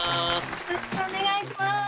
お願いします。